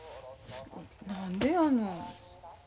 何でやの。